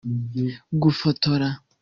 gufotora